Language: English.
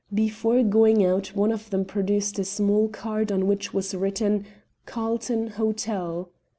Before going out one of them produced a small card on which was written, 'Carlton Hotel.'